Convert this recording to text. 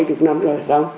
tới sáu bảy mươi năm rồi